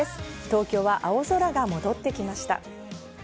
東京は青空が戻ってきました。